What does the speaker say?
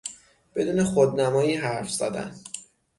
بدون خودنمایی حرف زدن